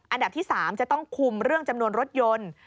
อันดับที่๓จะต้องคุมเรื่องจำนวนรถยนต์